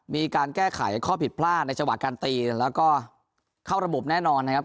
มีการแก้ไขข้อผิดพลาดในจังหวะการตีแล้วก็เข้าระบบแน่นอนนะครับ